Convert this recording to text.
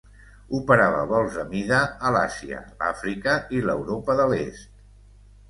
Operava vols a mida a l'Àsia, l'Àfrica i l'Europa de l'est.